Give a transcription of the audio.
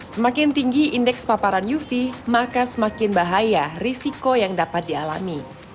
semakin tinggi indeks paparan uv maka semakin bahaya risiko yang dapat dialami